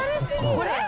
これ？